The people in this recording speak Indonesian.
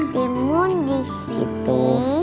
timun di sini